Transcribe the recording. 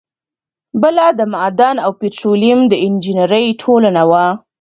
بله د معدن او پیټرولیم د انجینری ټولنه وه.